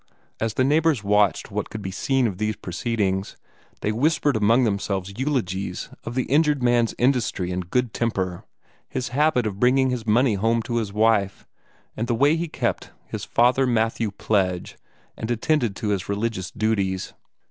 As the neighbors watched what could be seen of these proceedings, they whispered among themselves eulogies of the injured man's industry and good temper, his habit of bringing his money home to his wife, and the way he kept his Father Mathew pledge and attended to his religious duties.